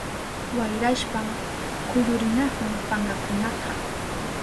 Wayrashpan kuyurinahun pankakunaka.